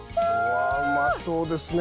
うわうまそうですね